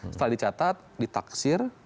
setelah dicatat ditaksir